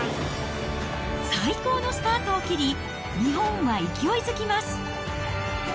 最高のスタートを切り、日本は勢いづきます。